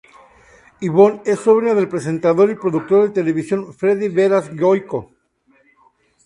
Ivonne es sobrina del presentador y productor de televisión Freddy Beras-Goico.